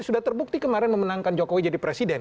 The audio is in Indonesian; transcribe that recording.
sudah terbukti kemarin memenangkan jokowi jadi presiden